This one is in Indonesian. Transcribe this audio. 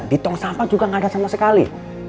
di tong sampah juga nggak ada sama sekali